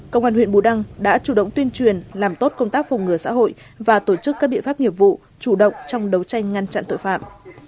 công an huyện bù đăng đã chủ động tuyên truyền làm tốt công tác phòng ngừa xã hội và tổ chức các biện pháp nghiệp vụ chủ động trong đấu tranh ngăn chặn tội phạm